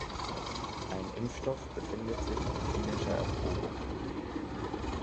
Ein Impfstoff befindet sich in klinischer Erprobung.